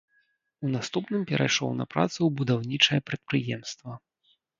У наступным перайшоў на працу ў будаўнічае прадпрыемства.